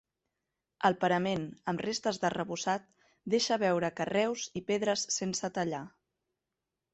El parament, amb restes d'arrebossat, deixa veure carreus i pedres sense tallar.